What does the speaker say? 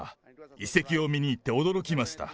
遺跡を見に行って驚きました。